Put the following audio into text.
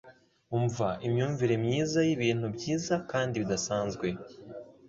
Umva Imyumvire myiza yibintu byiza kandi bidasanzwe